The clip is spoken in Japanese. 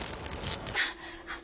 あっ！